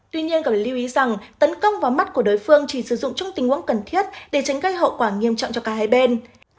tuy nhiên cần lưu ý rằng tấn công vào mắt của đối phương chỉ sử dụng trong tình huống cần thiết để tránh gây hậu quả nghiêm trọng cho cả hai bên